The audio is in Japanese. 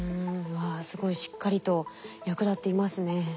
わあすごいしっかりと役立っていますね。